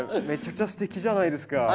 めちゃくちゃすてきじゃないですか。